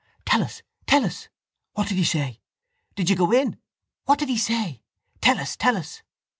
—Tell us! Tell us! —What did he say? —Did you go in? —What did he say? —Tell us! Tell us!